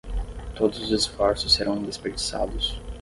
Todos os esforços serão desperdiçados